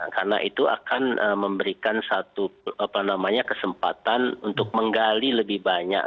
karena itu akan memberikan satu kesempatan untuk menggali lebih banyak